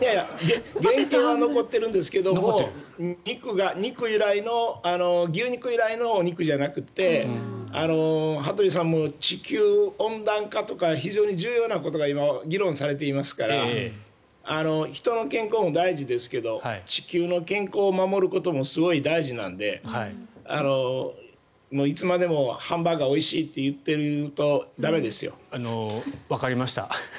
原型は残っているんですけども肉由来の牛肉由来のお肉じゃなくて羽鳥さんも地球温暖化とか非常に重要なことが今、議論されていますから人の健康も大事ですけど地球の健康を守ることもすごい大事なのでいつまでもハンバーガーおいしいって言ってるとわかりました。